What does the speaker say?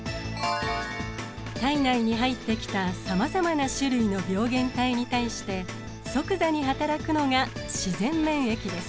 体内に入ってきたさまざまな種類の病原体に対して即座にはたらくのが自然免疫です。